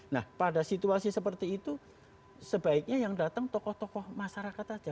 nah pada situasi seperti itu sebaiknya yang datang tokoh tokoh masyarakat saja